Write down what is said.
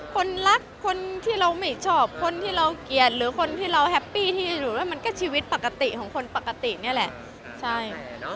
คนรักคนที่เราไม่ชอบคนที่เราเกลียดหรือคนที่เราแฮปปี้ที่อยู่ด้วยมันก็ชีวิตปกติของคนปกตินี่แหละใช่